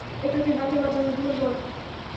এটাকে হাতে বাজানোর ঢোল বলে।